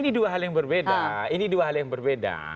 bukan ini dua hal yang berbeda